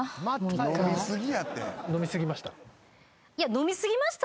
「飲みすぎました？」